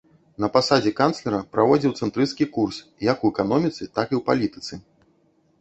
На пасадзе канцлера праводзіў цэнтрысцкі курс як у эканоміцы, так і ў палітыцы.